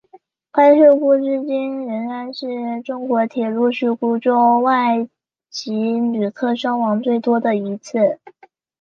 该事故至今仍然是中国铁路事故中外籍旅客伤亡最多的一次。